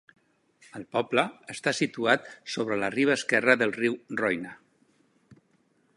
El poble està situat sobre la riba esquerra del riu Roine.